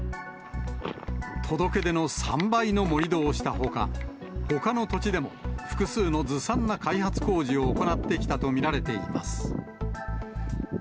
届け出の３倍の盛り土をしたほか、ほかの土地でも複数のずさんな開発工事を行ってきたと見られています。